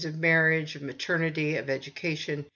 of marriage, of maternity, of education.